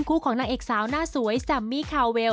ของนางเอกสาวหน้าสวยแซมมี่คาเวล